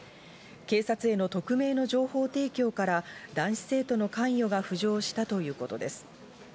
警察への匿名の情報提供から男子生徒の関与が浮上したということです。